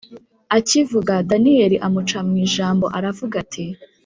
akivuga, daniel amuca mwijambo aravuga ati: